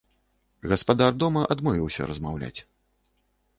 Гаспадар дома адмовіўся размаўляць.